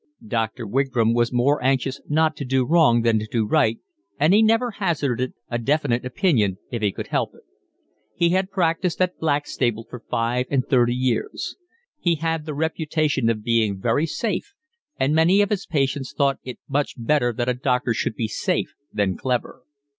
Dr. Wigram was more anxious not to do wrong than to do right, and he never hazarded a definite opinion if he could help it. He had practised at Blackstable for five and thirty years. He had the reputation of being very safe, and many of his patients thought it much better that a doctor should be safe than clever.